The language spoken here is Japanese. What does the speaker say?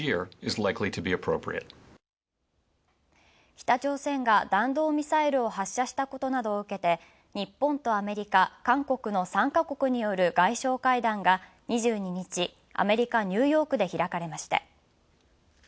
北朝鮮が弾道ミサイルを発射したことなどを受けて日本とアメリカ、韓国の３か国による外相会談が２２日アメリカ・ニューヨークで開かれました。